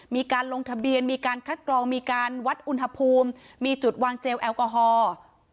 มีการลงทะเบียนมีการคัดกรองมีการวัดอุณหภูมิมีจุดวางเจลแอลกอฮอล์